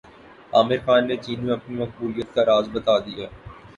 عامر خان نے چین میں اپنی مقبولیت کا راز بتادیا